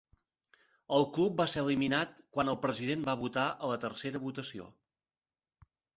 El club va ser eliminat quan el president va votar a la tercera votació.